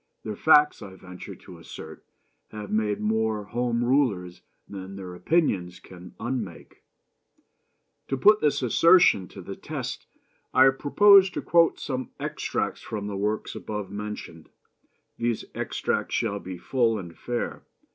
Their facts, I venture to assert, have made more Home Rulers than their opinions can unmake. To put this assertion to the test I propose to quote some extracts from the works above mentioned. These extracts shall be full and fair.